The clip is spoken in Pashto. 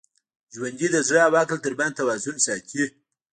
ژوندي د زړه او عقل تر منځ توازن ساتي